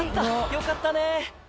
よかったね。